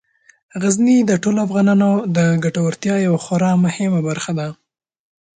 غزني د ټولو افغانانو د ګټورتیا یوه خورا مهمه برخه ده.